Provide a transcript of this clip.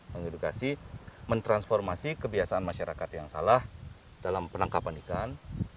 mengedukasi mentransformasi kebiasaan masyarakat yang salah dalam penangkapan ikan